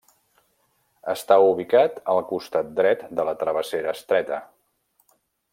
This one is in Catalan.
Està ubicat al costat dret de la travessera Estreta.